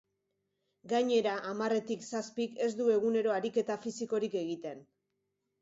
Gainera, hamarretik zazpik ez du egunero ariketa fisikorik egiten.